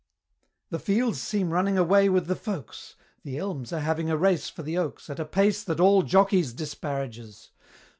The fields seem running away with the folks! The Elms are having a race for the Oaks At a pace that all Jockeys disparages!